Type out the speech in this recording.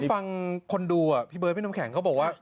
ฟังคนดูพี่เบิร์ดพี่น้ำแข็งเขาบอกว่า